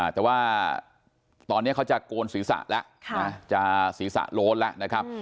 แต่ว่าตอนนี้เขาจะโกนศีรษะแล้วจะศีรษะโล้นแล้วนะครับ